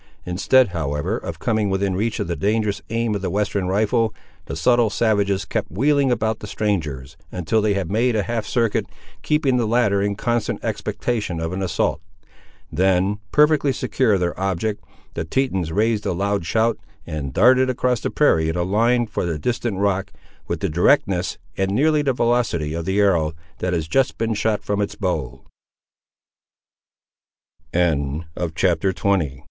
Instead, however, of coming within reach of the dangerous aim of the western rifle, the subtle savages kept wheeling about the strangers, until they had made a half circuit, keeping the latter in constant expectation of an assault. Then, perfectly secure of their object, the Tetons raised a loud shout, and darted across the prairie in a line for the distant rock, with the directness and nearly with the velocity of the arrow, that has just been shot from it